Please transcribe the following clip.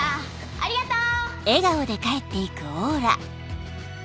ありがとう！